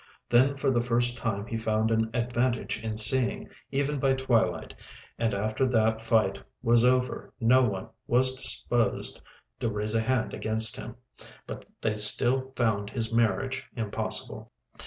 Then for the first time he found an advantage in seeing, even by twilight, and after that fight was over no one was disposed to raise a hand against him. But they still found his marriage impossible.